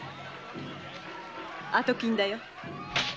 後金だよ。